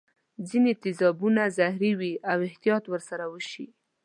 ځیني تیزابونه زهري وي او احتیاط ور سره وشي.